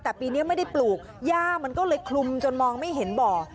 แต่ปีนี้ไม่ได้ปลูกย่ามันก็เลยคลุมจนมองไม่เห็นบ่อ